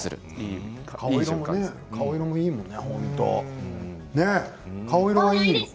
顔色もいいもんね。